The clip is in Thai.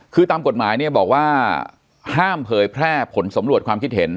คือตามกฎหมายเนี่ยบอกว่าห้ามเผยแพร่ผลสำรวจความคิดเห็น